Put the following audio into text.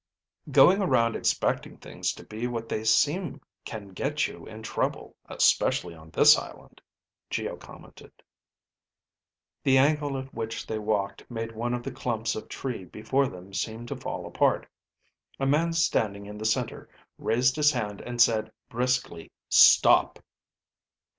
"Going around expecting things to be what they seem can get you in trouble especially on this island," Geo commented. The angle at which they walked made one of the clumps of tree before them seem to fall apart. A man standing in the center raised his hand and said briskly, "Stop!"